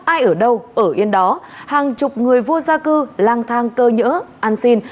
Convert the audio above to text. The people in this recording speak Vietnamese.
ai ở đâu ở yên đó hàng chục người vô gia cư lang thang cơ nhỡ ăn xin